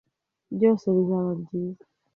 Byose bizaba byiza.